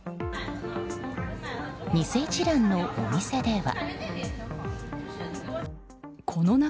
偽一蘭のお店では。